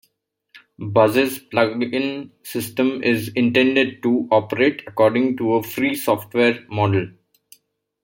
Buzz's plugin system is intended to operate according to a free software model.